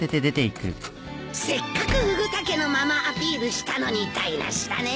せっかくフグ田家のママアピールしたのに台無しだね。